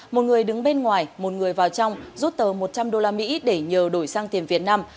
một người đứng bên ngoài một người vào trong rút tờ một trăm linh đô la mỹ để nhờ đổi sang tiền việt nam